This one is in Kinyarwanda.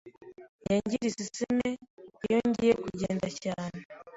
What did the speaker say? Njya ngira isesemi iyo ngiye kugenda cyane.